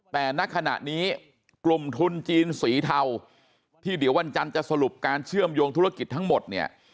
แต่ณขณะนี้กลุ่มทุนจีนสีเทาที่เดี๋ยววันจันทร์จะสรุปการเชื่อมโยงธุรกิจทั้งหมดเนี่ย